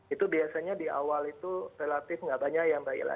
itu biasanya di awal itu relatif nggak banyak ya mbak ila